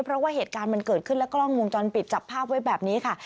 เพราะว่าเหตุการณ์มันเกิดขึ้นและกล้องวงจรปิดจับภาพไว้แบบนี้ค่ะ